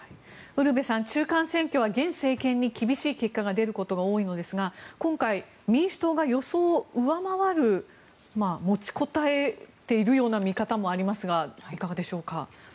ウルヴェさん、中間選挙は現政権に厳しい結果が出ることが多いのですが今回、民主党が予想を上回る持ちこたえているような見方もありますがいかがでしょうか。